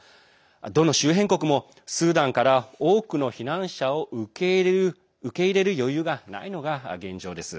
どの周辺国も、スーダンから多くの避難者を受け入れる余裕がないのが現状です。